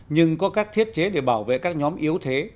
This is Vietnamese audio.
nhưng có các thiết chế để bảo vệ các nhóm yếu thế